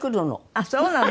「あっそうなの？